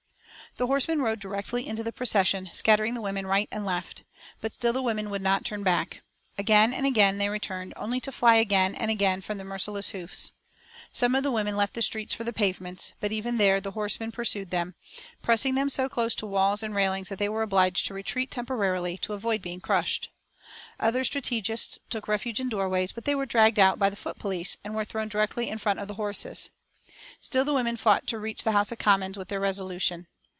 The horsemen rode directly into the procession, scattering the women right and left. But still the women would not turn back. Again and again they returned, only to fly again and again from the merciless hoofs. Some of the women left the streets for the pavements, but even there the horsemen pursued them, pressing them so close to walls and railings that they were obliged to retreat temporarily to avoid being crushed. Other strategists took refuge in doorways, but they were dragged out by the foot police and were thrown directly in front of the horses. Still the women fought to reach the House of Commons with their resolution.